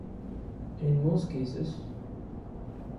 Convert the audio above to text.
In most cases.